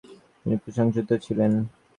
তিনি প্রশংসিত ছিলেন।